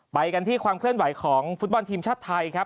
ไปกันที่ความเคลื่อนไหวของฟุตบอลทีมชาติไทยครับ